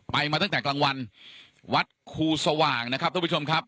มาตั้งแต่กลางวันวัดครูสว่างนะครับทุกผู้ชมครับ